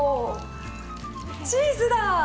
チーズだ！